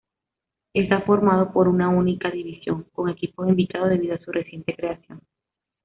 Está formado por una única división, con equipos invitados debido a su reciente creación.